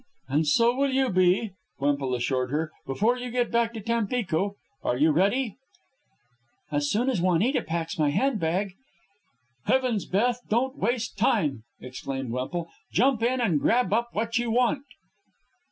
"And so will you be," Wemple assured her, "before you get back to Tampico. Are you ready?" "As soon as Juanita packs my hand bag." "Heavens, Beth, don't waste time!" exclaimed Wemple. "Jump in and grab up what you want."